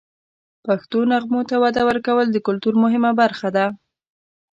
د پښتو نغمو ته وده ورکول د کلتور مهمه برخه ده.